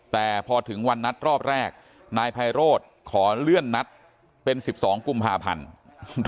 แต่พอถึงวันนัดรอบแรกไพโรดขอเลื่อนนัดเป็นสิบสองกุมภาภัณธ์